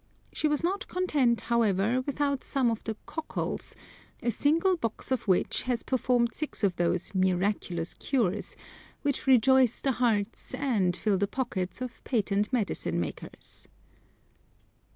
She was not content, however, without some of the "Cockles," a single box of which has performed six of those "miraculous cures" which rejoice the hearts and fill the pockets of patent medicine makers!